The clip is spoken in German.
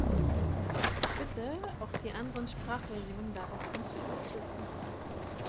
Ich bitte, auch die anderen Sprachversionen daraufhin zu überprüfen.